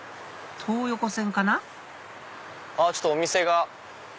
東横線かなあっお店が。